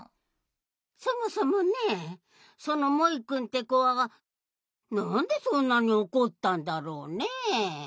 そもそもねそのモイくんってこはなんでそんなにおこったんだろうねえ。